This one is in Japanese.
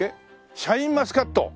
シャインマスカット！